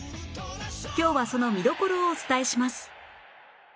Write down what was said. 今日はその見どころをお伝えします